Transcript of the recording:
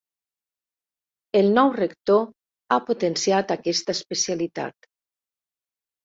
El nou rector ha potenciat aquesta especialitat.